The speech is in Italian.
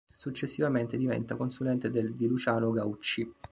Successivamente diventa consulente del di Luciano Gaucci.